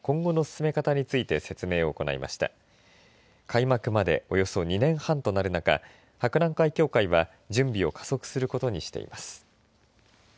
開幕まで、およそ２年半となる中博覧会協会は準備を加速することにしています。